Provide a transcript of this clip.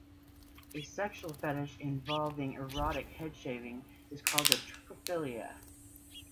A sexual fetish involving erotic head shaving is called a trichophilia.